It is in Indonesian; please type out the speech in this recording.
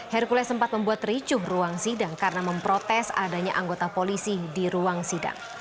hercules sempat membuat ricuh ruang sidang karena memprotes adanya anggota polisi di ruang sidang